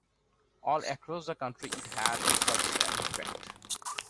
All across the country, it had such an effect.